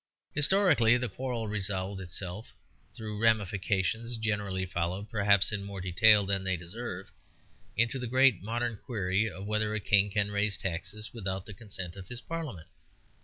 Historically, the quarrel resolved itself, through ramifications generally followed perhaps in more detail than they deserve, into the great modern query of whether a King can raise taxes without the consent of his Parliament.